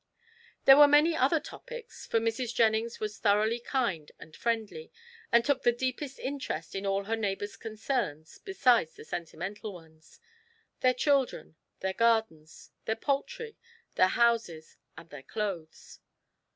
There were many other topics, for Mrs. Jennings was thoroughly kind and friendly, and took the deepest interest in all her neighbours' concerns besides the sentimental ones: their children, their gardens, their poultry, their houses and their clothes.